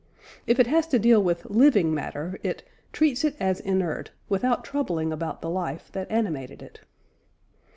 If it has to deal with "living" matter, it "treats it as inert, without troubling about the life that animated it."